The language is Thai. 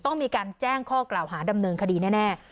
ต้องมีการแจ้งข้อกล่าวหาดำเนินคดีแน่